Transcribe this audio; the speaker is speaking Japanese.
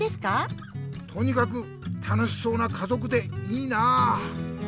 とにかく楽しそうなかぞくでいいなあ。